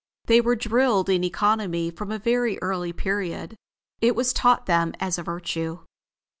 They were drilled in economy from a very early period. It was taught them as a virtue.